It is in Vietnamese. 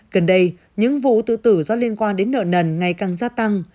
gần đây những vụ tự tử do liên quan đến nợ nần ngày càng gia tăng